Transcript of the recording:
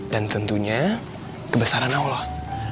dan tentunya kebesaran allah